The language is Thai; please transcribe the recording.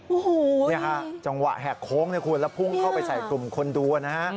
โอ้โหนี่ฮะจังหวะแหกโค้งนะคุณแล้วพุ่งเข้าไปใส่กลุ่มคนดูนะฮะ